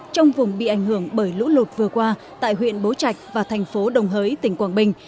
trong vùng bị ảnh hưởng bởi lũ lụt vừa qua tại huyện bố trạch và thành phố đồng hới tỉnh quảng bình